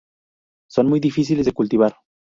Son muy difíciles de cultivar.